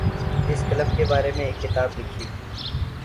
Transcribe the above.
اس club کے بارے میں ایک کتاب لکھی